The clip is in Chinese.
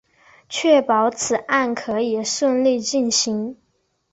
确保此专案可以顺利进行